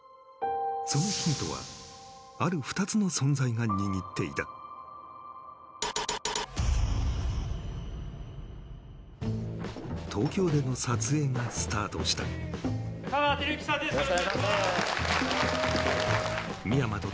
そのヒントはある２つの存在が握っていた東京での撮影がスタートした香川照之さんです